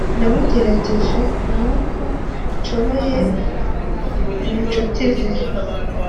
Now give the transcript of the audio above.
namugerageje n’uko nshoboye mu nshuti ze